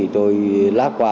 tôi lát qua